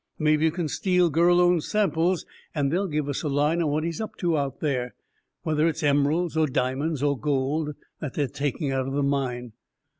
"Maybe you can steal Gurlone's samples and they'll give us a line on what he's up to out there. Whether it's emeralds or diamonds or gold that they're taking out of the mine."